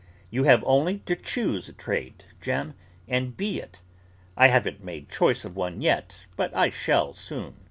You have only to choose a trade, Jem, and be it. I haven't made choice of one yet, but I shall soon.